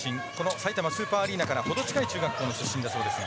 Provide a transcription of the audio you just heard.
さいたまスーパーアリーナからほど近い中学校の出身だそうですが。